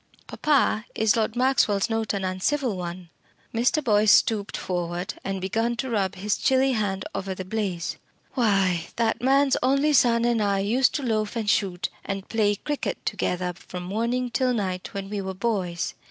"Papa, is Lord Maxwell's note an uncivil one?" Mr. Boyce stooped forward and began to rub his chilly hand over the blaze. "Why, that man's only son and I used to loaf and shoot and play cricket together from morning till night when we were boys.